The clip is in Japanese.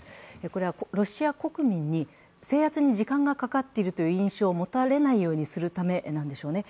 これはロシア国民に制圧に時間がかかっているという印象を持たれないようにするためなんでしょうね。